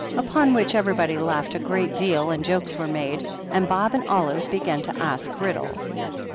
Upon which everybody laughed a great deal and jokes were made, and Bob and Olive began to ask riddles.